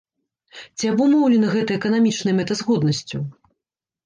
Ці абумоўлена гэта эканамічнай мэтазгоднасцю?